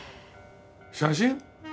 写真？